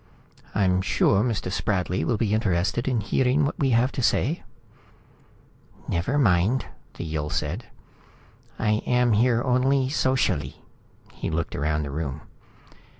"I'm sure Mr. Spradley will be interested in hearing what we have to say." "Never mind," the Yill said. "I am here only socially." He looked around the room.